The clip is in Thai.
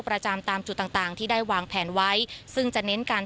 ประจำตามจุดต่างต่างที่ได้วางแผนไว้ซึ่งจะเน้นการ